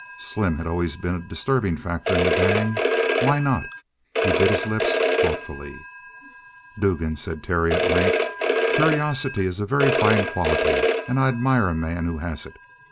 Slim had always been a disturbing factor in the gang. Why not? He bit his lips thoughtfully. "Dugan," said Terry at length, "curiosity is a very fine quality, and I admire a man who has it.